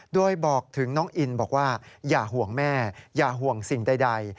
โดยบอกถึงน้องอินบอกว่าอย่าห่วงแม่อย่าห่วงสิ่งใด